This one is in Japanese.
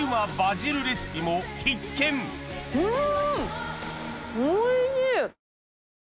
うん！